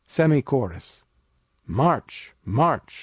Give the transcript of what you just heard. SEMI CHORUS March! march!